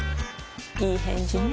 いい返事ね